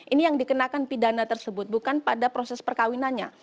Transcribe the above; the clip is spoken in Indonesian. ini yang dikenakan pidana tersebut bukan pada proses perkawinannya